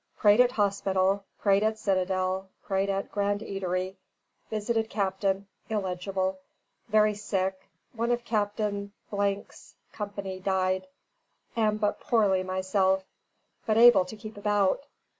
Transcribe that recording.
"Prayed at Hospital; Prayed at Citadel; Preached at Grand Eatery; Visited Capt. [illegible], very sick; One of Capt. 's company dyd Am but poorly myself, but able to keep about."